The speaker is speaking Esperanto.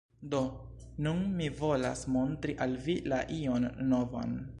Do nun mi volas montri al vi la ion novan.